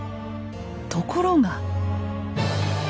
ところが。